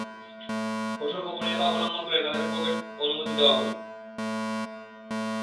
কঠোর গোপনীয়তা অবলম্বন করে তাদেরকে প্রবেশের অনুমতি দেয়া হল।